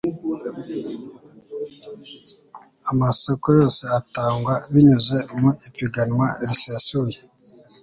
Amasoko yose atangwa binyuze mu ipiganwa risesuye